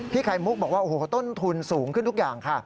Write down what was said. ไข่มุกบอกว่าโอ้โหต้นทุนสูงขึ้นทุกอย่างค่ะ